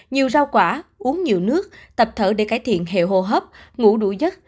nhiều rau quả uống nhiều nước tập thở để cải thiện hệ hồ hấp ngủ đủ nhất